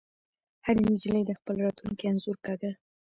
هرې نجلۍ د خپل راتلونکي انځور کاږه